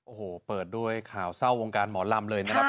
โอ้โหเปิดด้วยข่าวเศร้าวงการหมอลำเลยนะครับ